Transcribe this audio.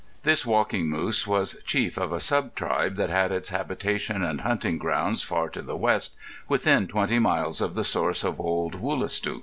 This Walking Moose was chief of a sub tribe that had its habitation and hunting grounds far to the west, within twenty miles of the source of old Woolastook.